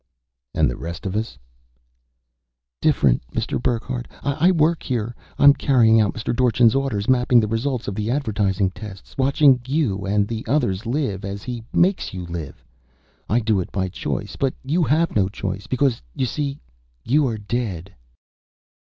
"And the rest of us?" "Different, Mr. Burckhardt. I work here. I'm carrying out Mr. Dorchin's orders, mapping the results of the advertising tests, watching you and the others live as he makes you live. I do it by choice, but you have no choice. Because, you see, you are dead."